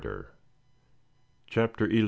CHAPTER XI.